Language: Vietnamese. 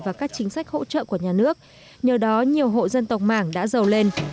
nhận được hỗ trợ của nhà nước nhờ đó nhiều hộ dân tộc mảng đã giàu lên